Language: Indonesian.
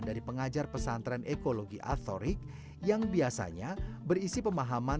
dari pengajar pesantren ekologi atorik yang biasanya berisi pemahaman